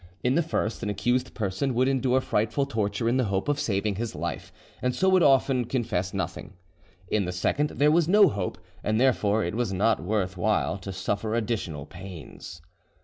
In the first, an accused person would endure frightful torture in the hope of saving his life, and so would often confess nothing. In the second, there was no hope, and therefore it was not worth while to suffer additional pains.